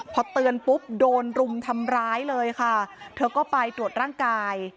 พอเตือนปุ๊บโดนรุมทำร้ายเลยค่ะเธอก็ไปตรวจร่างกาย